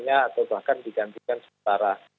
atau bahkan digantikan sementara